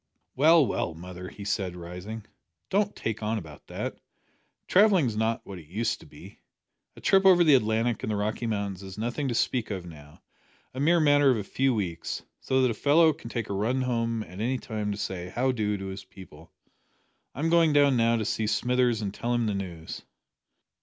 "Well, well, mother," he said, rising, "don't take on about that. Travelling is not like what it used to be. A trip over the Atlantic and the Rocky Mountains is nothing to speak of now a mere matter of a few weeks so that a fellow can take a run home at any time to say `How do' to his people. I'm going down now to see Smithers and tell him the news."